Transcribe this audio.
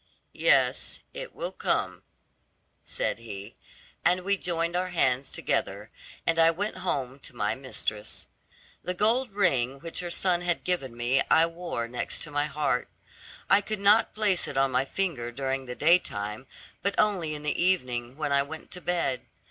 'Yes, it will come,' said he; and we joined our hands together, and I went home to my mistress. The gold ring which her son had given me I wore next to my heart. I could not place it on my finger during the daytime, but only in the evening, when I went to bed.